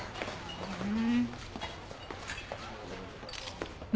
ふん。